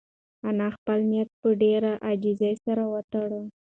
انا خپل نیت په ډېرې عاجزۍ سره وتاړه.